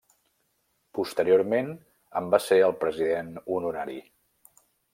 Posteriorment, en va ser el president honorari.